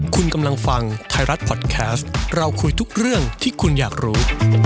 คุณกำลังฟังไทยรัฐพอดแคสต์เราคุยทุกเรื่องที่คุณอยากรู้